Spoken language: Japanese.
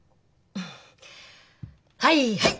はいはい！